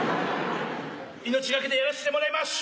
命懸けでやらしてもらいましゅ。